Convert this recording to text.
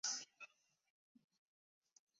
厚毛节肢蕨为水龙骨科节肢蕨属下的一个种。